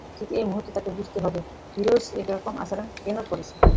ঠিক এই মুহূর্তে তাঁকে বুঝতে হবে, ফিরোজ এরকম আচরণ কেন করছে।